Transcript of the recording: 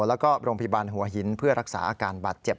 แล้วก็โรงพยาบาลหัวหินเพื่อรักษาอาการบาดเจ็บ